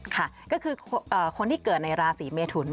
ค่ะก็คือคนที่เกิดในราศีเมทุน